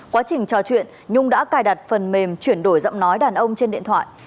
quá trình trò chuyện nhung đã cài đặt phần mềm chuyển đổi giọng nói đàn ông trên điện thoại